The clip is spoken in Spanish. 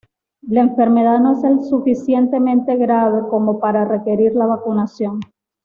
La enfermedad no es lo suficientemente grave como para requerir la vacunación.